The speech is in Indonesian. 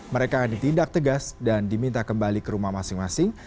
mereka ditindak tegas dan diminta kembali ke rumah masing masing